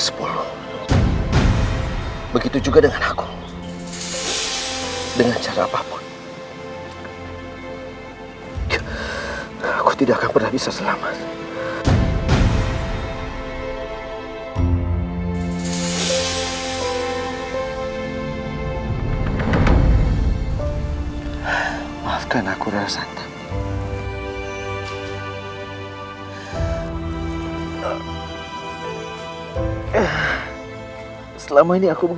sampai jumpa di video selanjutnya